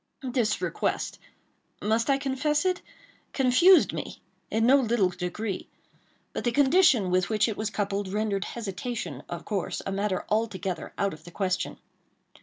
This request—must I confess it?—confused me in no little degree. But the condition with which it was coupled rendered hesitation, of course, a matter altogether out of the question.